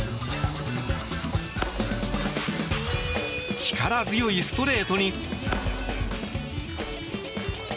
力強いストレートに。